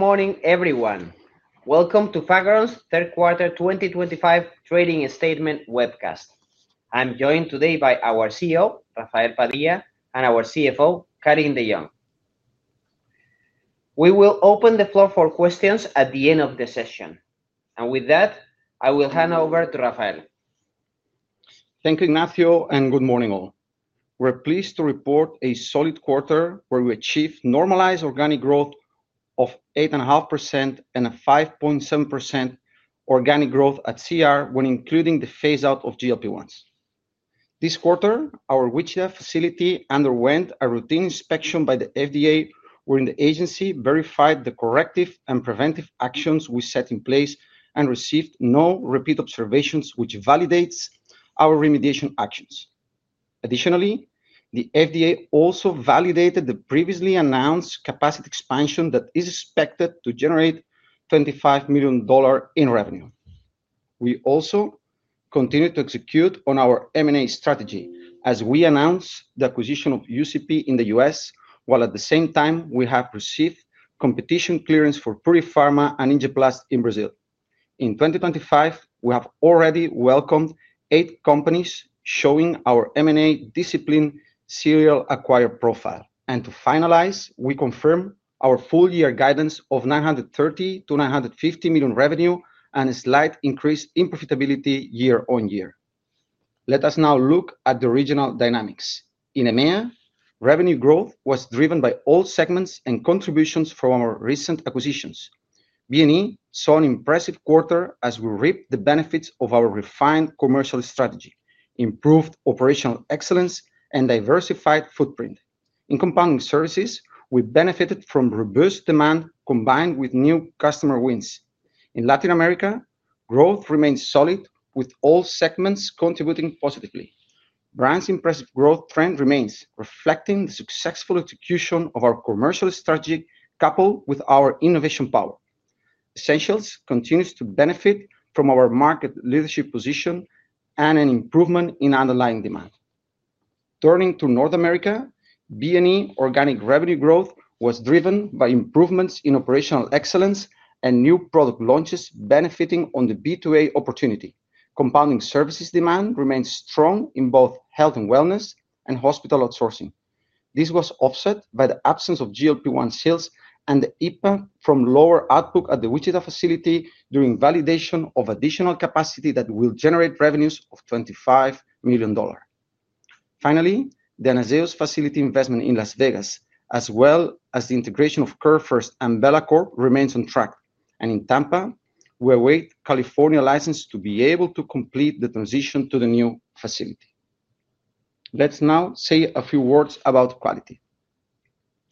Morning, everyone. Welcome to Fagron's third quarter 2025 trading statement webcast. I'm joined today by our CEO, Rafael Padilla, and our CFO, Karin de Jong. We will open the floor for questions at the end of the session. With that, I will hand over to Rafael. Thank you, Ignacio, and good morning all. We're pleased to report a solid quarter where we achieved normalized organic growth of 8.5% and a 5.7% organic growth at CR when including the phase-out of GLP-1s. This quarter, our Wichita facility underwent a routine inspection by the FDA, wherein the agency verified the corrective and preventive actions we set in place and received no repeat observations, which validates our remediation actions. Additionally, the FDA also validated the previously announced capacity expansion that is expected to generate $25 million in revenue. We also continue to execute on our M&A strategy as we announce the acquisition of UCP in the U.S., while at the same time we have received competition clearance for Purifarma and Injeplast in Brazil. In 2024, we have already welcomed eight companies, showing our M&A discipline serial acquired profile. To finalize, we confirm our full-year guidance of 930 million-950 million revenue and a slight increase in profitability year-on-year. Let us now look at the regional dynamics. In EMEA, revenue growth was driven by all segments and contributions from our recent acquisitions. B&E saw an impressive quarter as we reaped the benefits of our refined commercial strategy, improved operational excellence, and diversified footprint. In compounding services, we benefited from robust demand combined with new customer wins. In Latin America, growth remains solid with all segments contributing positively. Brand's impressive growth trend remains, reflecting the successful execution of our commercial strategy coupled with our innovation power. Essentials continues to benefit from our market leadership position and an improvement in underlying demand. Turning to North America, B&E's organic revenue growth was driven by improvements in operational excellence and new product launches benefiting on the B2A opportunity. Compounding services demand remains strong in both health and wellness and hospital outsourcing. This was offset by the absence of GLP-1 sales and the impact from lower output at the Wichita facility during validation of additional capacity that will generate revenues of $25 million. Finally, the Anazao facility investment in Las Vegas, as well as the integration of CareFirst and Bella Corp, remains on track. In Tampa, we await California license to be able to complete the transition to the new facility. Let's now say a few words about quality.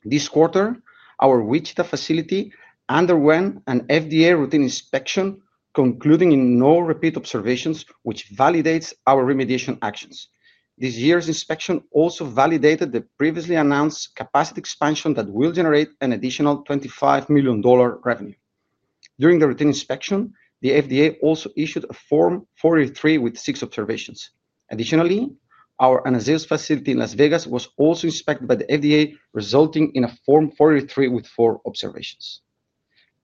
This quarter, our Wichita facility underwent an FDA routine inspection concluding in no repeat observations, which validates our remediation actions. This year's inspection also validated the previously announced capacity expansion that will generate an additional $25 million revenue. During the routine inspection, the FDA also issued a Form 483 with six observations. Additionally, our Anazao facility in Las Vegas was also inspected by the FDA, resulting in a Form 483 with four observations.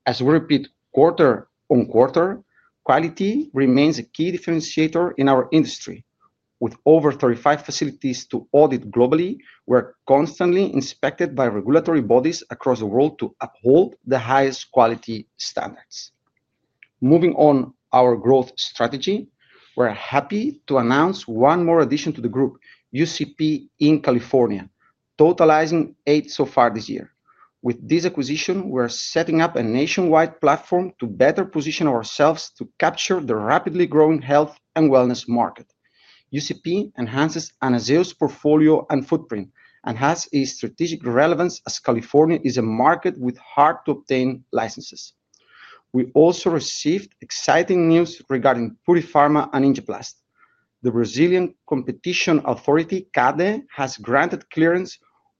As we repeat quarter on quarter, quality remains a key differentiator in our industry. With over 35 facilities to audit globally, we are constantly inspected by regulatory bodies across the world to uphold the highest quality standards. Moving on our growth strategy, we're happy to announce one more addition to the group, UCP in California, totalizing eight so far this year. With this acquisition, we're setting up a nationwide platform to better position ourselves to capture the rapidly growing health and wellness market. UCP enhances Anazao' portfolio and footprint and has a strategic relevance as California is a market with hard-to-obtain licenses. We also received exciting news regarding Purifarma and Injeplast. The Brazilian competition authority, CADE, has granted clearance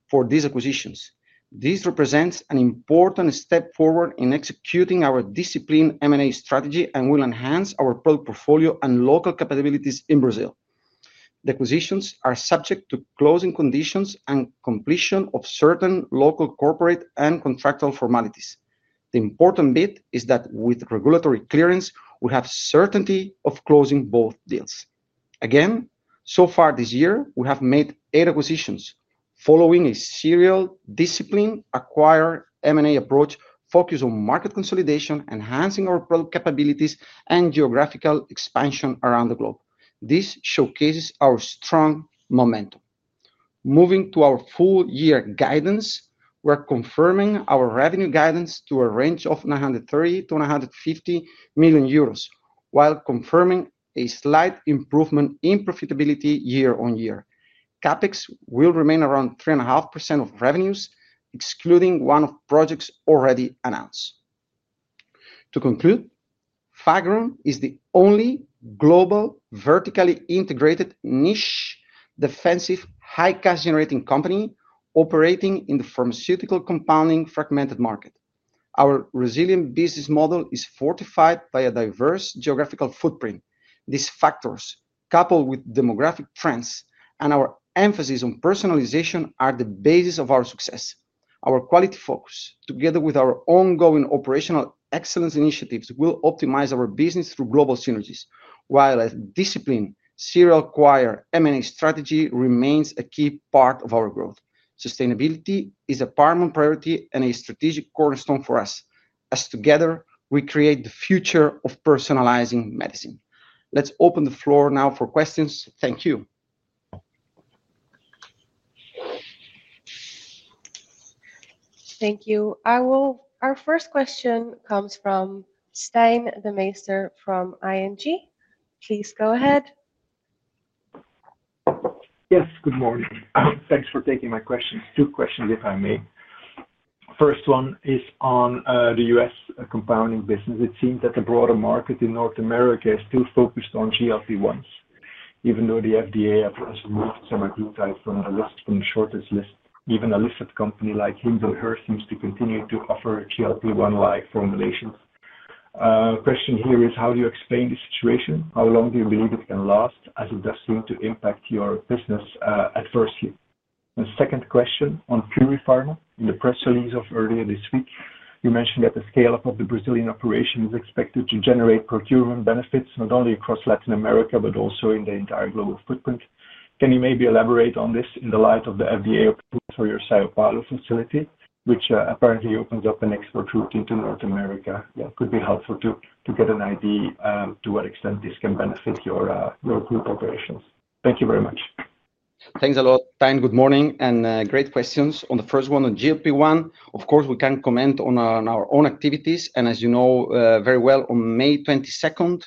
for these acquisitions. This represents an important step forward in executing our disciplined M&A strategy and will enhance our product portfolio and local capabilities in Brazil. The acquisitions are subject to closing conditions and completion of certain local corporate and contractual formalities. The important bit is that with regulatory clearance, we have certainty of closing both deals. Again, so far this year, we have made eight acquisitions following a serial disciplined acquired M&A approach focused on market consolidation, enhancing our product capabilities, and geographical expansion around the globe. This showcases our strong momentum. Moving to our full-year guidance, we're confirming our revenue guidance to a range of 930 million-950 million euros, while confirming a slight improvement in profitability year-on-year. CapEx will remain around 3.5% of revenues, excluding one-off projects already announced. To conclude, Fagron is the only global vertically integrated niche defensive high-cash generating company operating in the pharmaceutical compounding fragmented market. Our resilient business model is fortified by a diverse geographical footprint. These factors, coupled with demographic trends and our emphasis on personalization, are the basis of our success. Our quality focus, together with our ongoing operational excellence initiatives, will optimize our business through global synergies, while a disciplined serial acquired M&A strategy remains a key part of our growth. Sustainability is a paramount priority and a strategic cornerstone for us, as together we create the future of personalizing medicine. Let's open the floor now for questions. Thank you. Thank you. Our first question comes from Stijn Demeester from ING. Please go ahead. Yes, good morning. Thanks for taking my questions. Two questions, if I may. The first one is on the U.S. compounding business. It seems that the broader market in North America is too focused on GLP-1s, even though the FDA has removed semaglutide from the list. Even a listed company like Humble Hear seems to continue to offer GLP-1-like formulations. The question here is, how do you explain the situation? How long do you believe it can last, as it does seem to impact your business adversely? Second question on Purifarma. In the press release of earlier this week, you mentioned that the scale-up of the Brazilian operation is expected to generate procurement benefits not only across Latin America, but also in the entire global footprint. Can you maybe elaborate on this in the light of the FDA approval for your São Paulo facility, which apparently opens up an export route into North America? It could be helpful to get an idea to what extent this can benefit your group operations. Thank you very much. Thanks a lot, Stijn. Good morning and great questions. On the first one, on GLP-1, of course, we can comment on our own activities. As you know very well, on May 22nd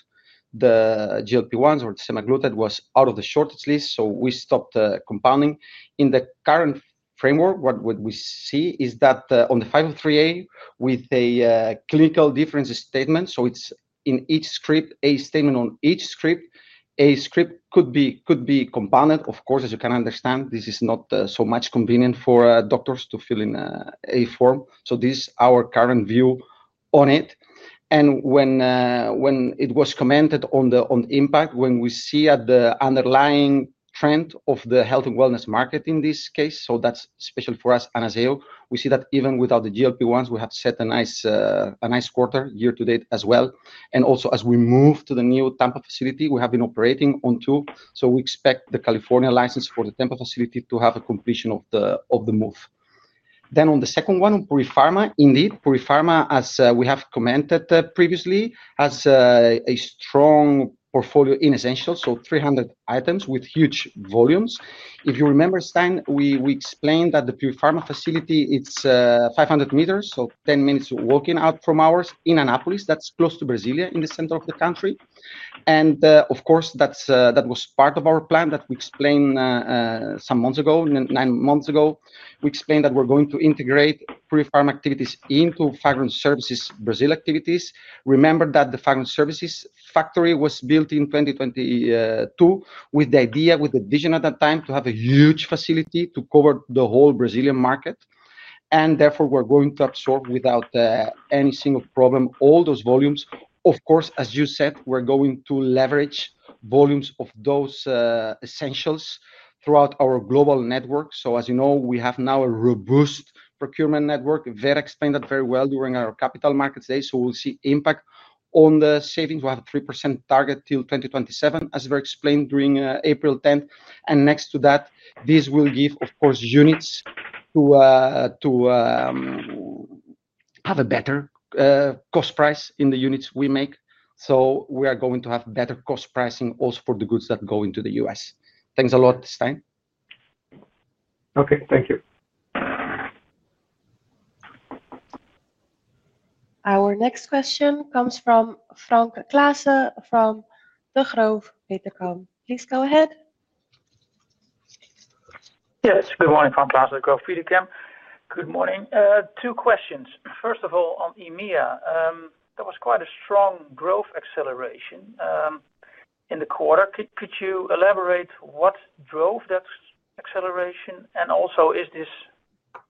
the GLP-1s or the semaglutide was out of the shortage list, so we stopped the compounding. In the current framework, what we see is that on the 503A with a clinical difference statement, so it's in each script, a statement on each script, a script could be compounded. Of course, as you can understand, this is not so much convenient for doctors to fill in a form. This is our current view on it. When it was commented on the impact, when we see at the underlying trend of the health and wellness market in this case, that's special for us, Anazao, we see that even without the GLP-1s, we have set a nice quarter year to date as well. Also, as we move to the new Tampa facility, we have been operating on two, so we expect the California license for the Tampa facility to have a completion of the move. On the second one, on Purifarma, indeed, Purifarma, as we have commented previously, has a strong portfolio in essentials, so 300 items with huge volumes. If you remember, Stijn, we explained that the Purifarma facility, it's 500 m, so 10 minutes walking out from ours in Anápolis. That's close to Brasília in the center of the country. That was part of our plan that we explained some months ago, nine months ago. We explained that we're going to integrate Purifarma activities into Fagron Services Brazil activities. Remember that the Fagron Services factory was built in 2022 with the idea, with the vision at that time to have a huge facility to cover the whole Brazilian market. Therefore, we're going to absorb without any single problem all those volumes. As you said, we're going to leverage volumes of those essentials throughout our global network. As you know, we have now a robust procurement network that expanded very well during our capital markets days. We'll see impact on the savings. We have a 3% target till 2027, as we explained during April 10. Next to that, this will give, of course, units to have a better cost price in the units we make. We are going to have better cost pricing also for the goods that go into the U.S. Thanks a lot, Stijn. Okay, thank you. Our next question comes from Frank Claassen from Degroof Petercam. Please go ahead. Yes, good morning, Frank Claassen at Degroof Petercam. Good morning. Two questions. First of all, on EMEA, there was quite a strong growth acceleration in the quarter. Could you elaborate what drove that acceleration? Also, is this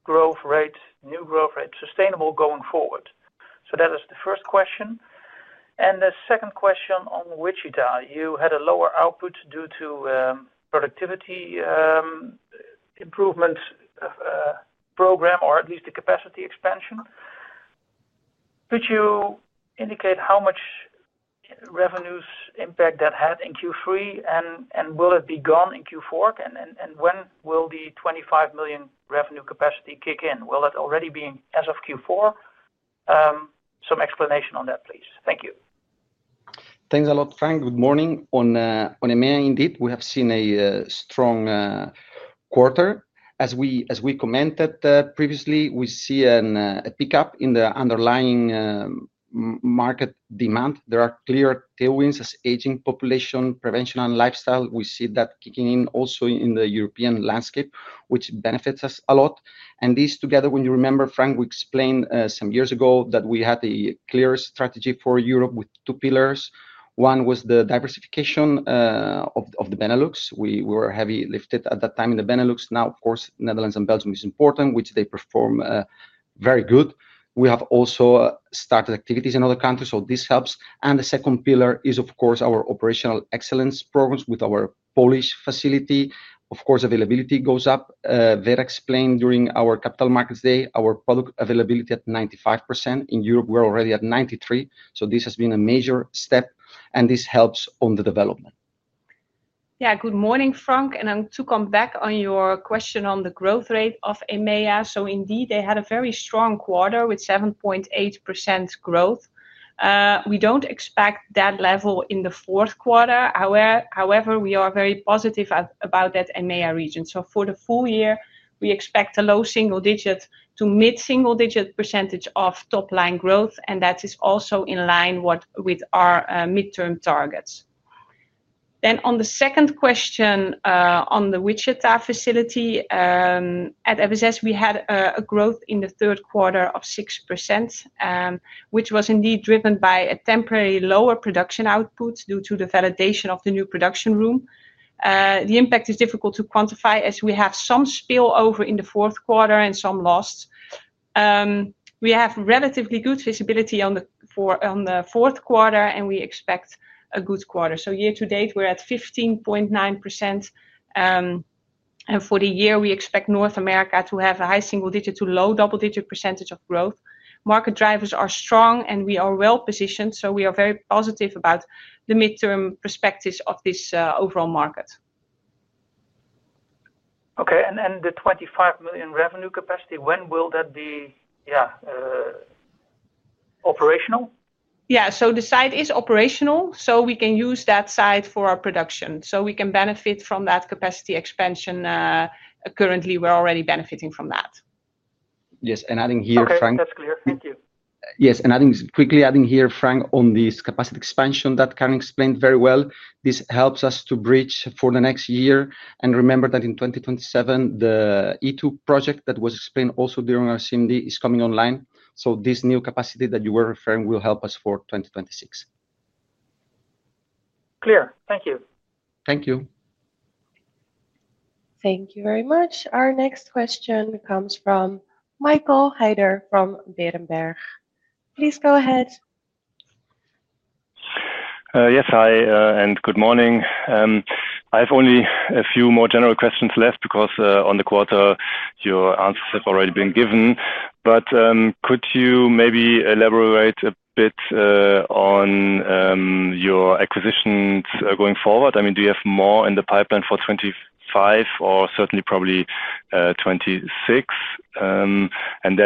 growth rate, new growth rate, sustainable going forward? That is the first question. The second question on Wichita. You had a lower output due to productivity improvement program, or at least the capacity expansion. Could you indicate how much revenues impact that had in Q3? Will it be gone in Q4? When will the $25 million revenue capacity kick in? Will it already be as of Q4? Some explanation on that, please. Thank you. Thanks a lot, Frank. Good morning. On EMEA, indeed, we have seen a strong quarter. As we commented previously, we see a pickup in the underlying market demand. There are clear tailwinds as aging population, prevention, and lifestyle. We see that kicking in also in the European landscape, which benefits us a lot. This together, when you remember, Frank, we explained some years ago that we had a clear strategy for Europe with two pillars. One was the diversification of the Benelux. We were heavy lifted at that time in the Benelux. Now, of course, Netherlands and Belgium are important, which they perform very good. We have also started activities in other countries, so this helps. The second pillar is, of course, our operational excellence programs with our Polish facility. Of course, availability goes up. That explained during our capital markets day, our product availability at 95%. In Europe, we're already at 93%. This has been a major step, and this helps on the development. Yeah, good morning, Frank. To come back on your question on the growth rate of EMEA, they had a very strong quarter with 7.8% growth. We don't expect that level in the fourth quarter. However, we are very positive about that EMEA region. For the full year, we expect a low single-digit to mid-single-digit percentage of top-line growth, and that is also in line with our midterm targets. On the second question on the Wichita facility at FSS, we had a growth in the third quarter of 6%, which was indeed driven by a temporary lower production output due to the validation of the new production room. The impact is difficult to quantify as we have some spillover in the fourth quarter and some loss. We have relatively good visibility on the fourth quarter, and we expect a good quarter. Year-to-date, we're at 15.9%, and for the year, we expect North America to have a high single-digit to low double-digit percentage of growth. Market drivers are strong, and we are well positioned. We are very positive about the midterm perspectives of this overall market. Okay. The $25 million revenue capacity, when will that be operational? Yeah. The site is operational, so we can use that site for our production. We can benefit from that capacity expansion. Currently, we're already benefiting from that. Yes, adding here, Frank. That's clear. Thank you. Yes. I think quickly adding here, Frank, on this capacity expansion that Karin explained very well, this helps us to bridge for the next year. Remember that in 2027, the E2 project that was explained also during our CMD is coming online. This new capacity that you were referring will help us for 2026. Clear. Thank you. Thank you. Thank you very much. Our next question comes from Michael Huttner from Berenberg. Please go ahead. Yes. Hi, and good morning. I have only a few more general questions left because on the quarter, your answers have already been given. Could you maybe elaborate a bit on your acquisitions going forward? I mean, do you have more in the pipeline for 2025 or certainly probably 2026?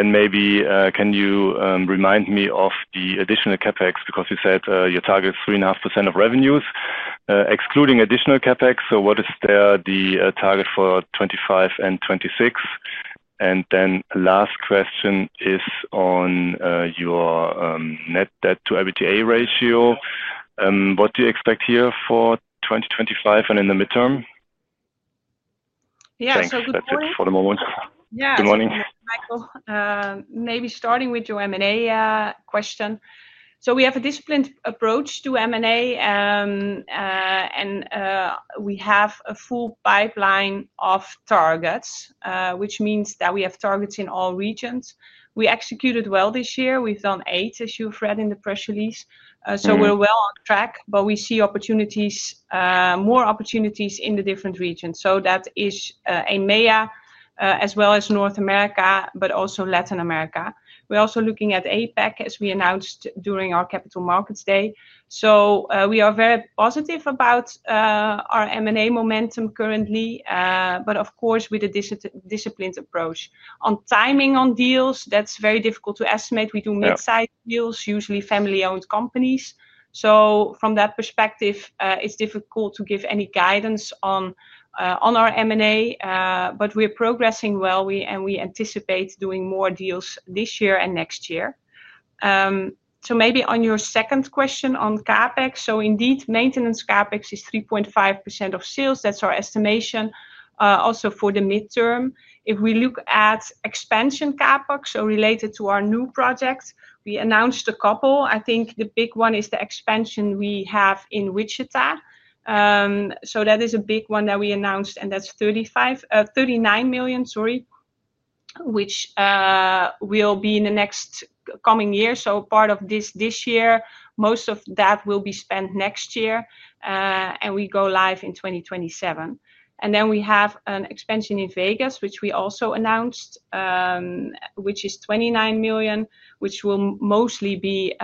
Maybe can you remind me of the additional CapEx because you said your target is 3.5% of revenues excluding additional CapEx. What is there the target for 2025 and 2026? The last question is on your net debt/EBITDA ratio. What do you expect here for 2025 and in the midterm? Yeah. Yeah, so good. Perfect for the moment. Yeah. Good morning. Michael, maybe starting with your M&A question. We have a disciplined approach to M&A, and we have a full pipeline of targets, which means that we have targets in all regions. We executed well this year. We've done eight, as you've read in the press release. We're well on track, but we see more opportunities in the different regions. That is EMEA as well as North America, but also Latin America. We're also looking at APAC, as we announced during our capital markets day. We are very positive about our M&A momentum currently, but of course, with a disciplined approach. On timing on deals, that's very difficult to estimate. We do mid-size deals, usually family-owned companies. From that perspective, it's difficult to give any guidance on our M&A, but we are progressing well, and we anticipate doing more deals this year and next year. Maybe on your second question on CapEx. Indeed, maintenance CapEx is 3.5% of sales. That's our estimation. Also for the midterm, if we look at expansion CapEx, so related to our new projects, we announced a couple. I think the big one is the expansion we have in Wichita. That is a big one that we announced, and that's $39 million, which will be in the next coming year. Part of this this year, most of that will be spent next year, and we go live in 2027. We have an expansion in Las Vegas, which we also announced, which is $29 million, which will mostly be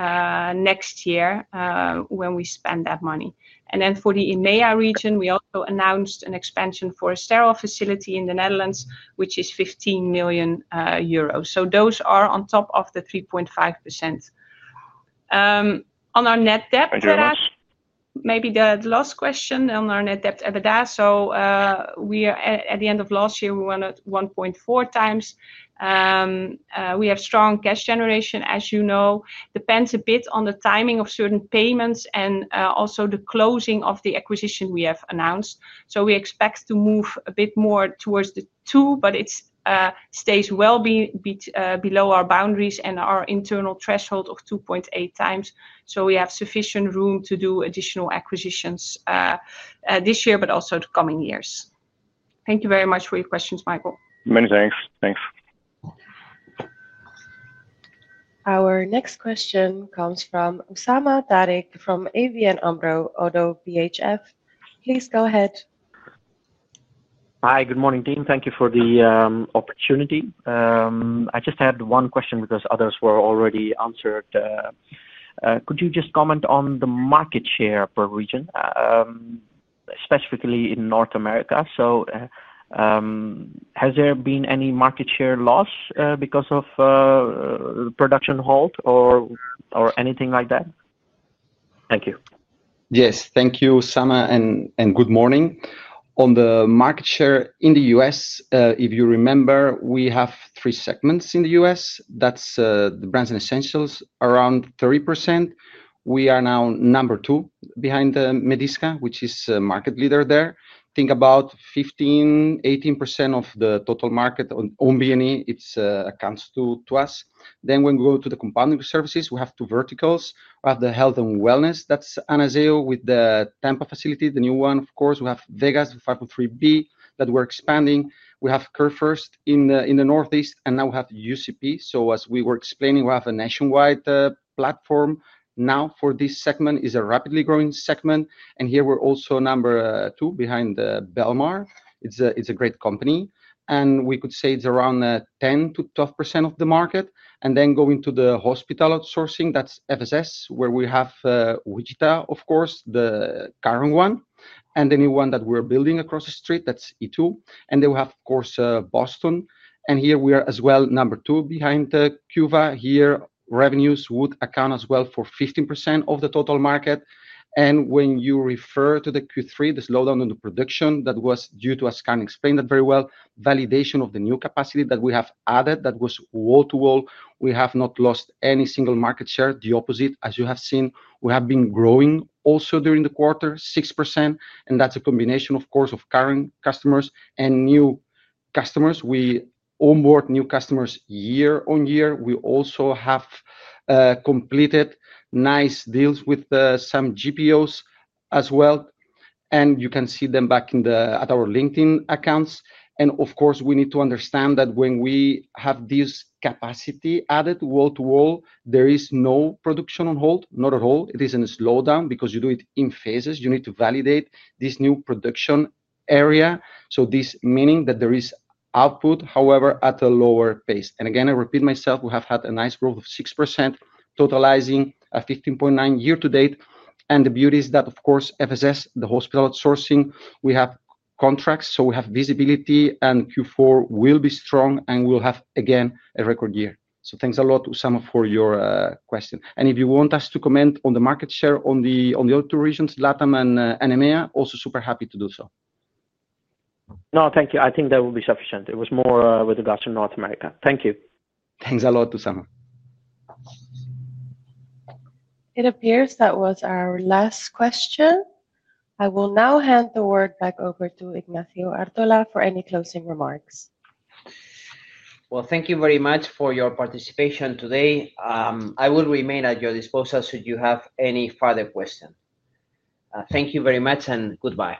next year when we spend that money. For the EMEA region, we also announced an expansion for a sterile facility in the Netherlands, which is 15 million euros. Those are on top of the 3.5%. On our net debt, perhaps maybe the last question on our net debt every day. At the end of last year, we were at 1.4x. We have strong cash generation, as you know. It depends a bit on the timing of certain payments and also the closing of the acquisition we have announced. We expect to move a bit more towards the two, but it stays well below our boundaries and our internal threshold of 2.8x. We have sufficient room to do additional acquisitions this year, but also the coming years. Thank you very much for your questions, Michael. Many thanks. Thanks. Our next question comes from Usama Tariq from ABN AMRO - ODDO BHF. Please go ahead. Hi. Good morning, team. Thank you for the opportunity. I just had one question because others were already answered. Could you just comment on the market share per region, specifically in North America? Has there been any market share loss because of production hold or anything like that? Thank you. Yes. Thank you, Usama, and good morning. On the market share in the U.S., if you remember, we have three segments in the U.S. That's the brands and essentials, around 30%. We are now number two behind Medisca, which is a market leader there. Think about 15% to 18% of the total market on B&E. It comes to us. When we go to the compounding services, we have two verticals. We have the health and wellness. That's Anazao with the Tampa facility, the new one, of course. We have Vegas 503B that we're expanding. We have CareFirst in the Northeast, and now we have UCP. As we were explaining, we have a nationwide platform. For this segment, it is a rapidly growing segment. Here we're also number two behind Belmar. It's a great company. We could say it's around 10%-12% of the market. Going to the hospital outsourcing, that's FSS, where we have Wichita, of course, the current one, and the new one that we're building across the street, that's E2. We have, of course, Boston. Here we are as well number two behind QuVa. Here, revenues would account as well for 15% of the total market. When you refer to Q3, the slowdown in the production was due to, as Karin explained very well, validation of the new capacity that we have added that was wall to wall. We have not lost any single market share. The opposite, as you have seen, we have been growing also during the quarter, 6%. That's a combination, of course, of current customers and new customers. We onboard new customers year-on-year. We also have completed nice deals with some GPOs as well. You can see them back in our LinkedIn accounts. We need to understand that when we have this capacity added wall to wall, there is no production on hold, not at all. It isn't a slowdown because you do it in phases. You need to validate this new production area. This means that there is output, however, at a lower pace. Again, I repeat myself, we have had a nice growth of 6%, totalizing a 15.9% year-to-date. The beauty is that, of course, FSS, the hospital outsourcing, we have contracts. We have visibility, and Q4 will be strong, and we'll have, again, a record year. Thanks a lot, Usama, for your question. If you want us to comment on the market share on the other two regions, LATAM and EMEA, also super happy to do so. No, thank you. I think that will be sufficient. It was more with regards to North America. Thank you. Thanks a lot, Usama. It appears that was our last question. I will now hand the word back over to Ignacio Artola for any closing remarks. Thank you very much for your participation today. I will remain at your disposal should you have any further questions. Thank you very much and goodbye.